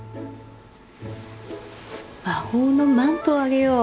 魔法のマントをあげよう。